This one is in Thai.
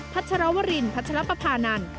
ัชรวรินพัชรปภานันทร์